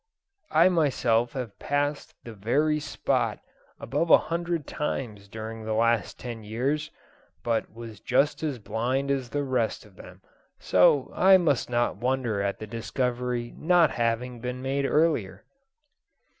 I myself have passed the very spot above a hundred times during the last ten years, but was just as blind as the rest of them, so I must not wonder at the discovery not having been made earlier."